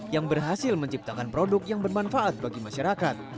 yang berhasil menciptakan produk yang bermanfaat bagi masyarakat